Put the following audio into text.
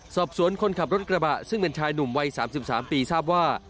สอบสวนคนขับรถกระบะซึ่งเป็นชายหนุ่มวัยสามสิบสามปีทราบว่า